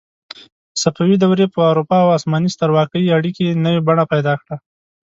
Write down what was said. صفوي دورې په اروپا او عثماني سترواکۍ اړیکې نوې بڼه پیدا کړه.